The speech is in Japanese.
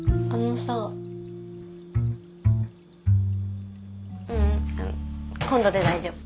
ううん今度で大丈夫。